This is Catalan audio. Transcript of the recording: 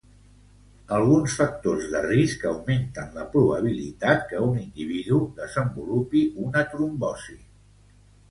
Alguns factors de risc augmenten la probabilitat que un individu desenvolupe una trombosi.